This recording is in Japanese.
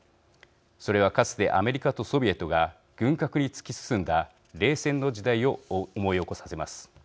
それはかつてアメリカとソビエトが軍拡に突き進んだ冷戦の時代を思い起こさせます。